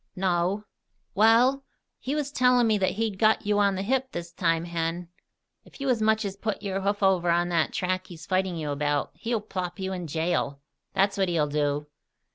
"No." "Wal, he was tellin' me that he'd got you on the hip this time, Hen. If you as much as put your hoof over on that track he's fighting you about, he'll plop you in jail, that's what he'll do!